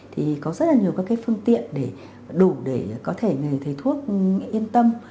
thì có rất là nhiều các phương tiện đủ để có thể người thầy thuốc yên tâm